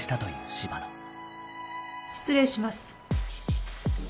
・失礼します。